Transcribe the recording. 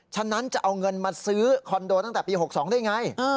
ฉะนั้นจะเอาเงินมาซื้อคอนโดตั้งแต่ปี๖๒ได้ไง